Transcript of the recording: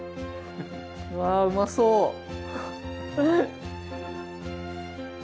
わうまそう！